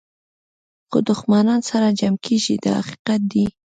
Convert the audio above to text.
خو دښمنان سره جمع کېږي دا حقیقت دی.